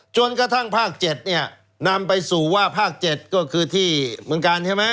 จนกระทั่งภาคเจ็ดเนี้ยนำไปสู่ว่าภาคเจ็ดก็คือที่เหมือนกันใช่ไหม